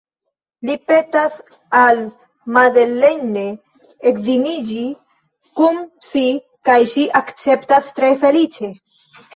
Li petas al Madeleine edziniĝi kun si, kaj ŝi akceptas tre feliĉe.